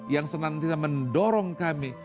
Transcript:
yang senantiasa mendorong kami